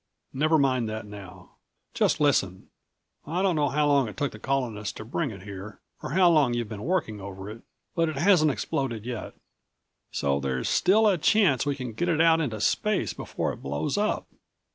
"Never mind that now. Just listen. I don't know how long it took the Colonist to bring it here or how long you've been working over it. But it hasn't exploded yet. _So there's still a chance we can get it out into space before it blows up!